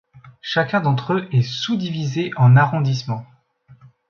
Chacun d'entre eux est sous-divisé en arrondissements.